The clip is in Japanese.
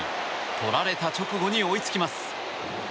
取られた直後に追いつきます。